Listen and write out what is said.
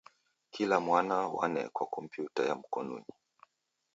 Kila mwana wanekwa kompiuta ya mkonunyi.